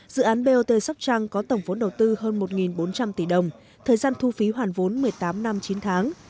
dự án bot sóc trăng có tổng vốn đầu tư hơn một bốn trăm linh tỷ đồng thời gian thu phí hoàn vốn một mươi tám năm chín tháng